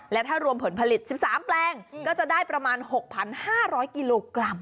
และถ้ารวมผลผลิต๑๓แปลงก็จะได้ประมาณ๖๕๐๐กิโลกรัม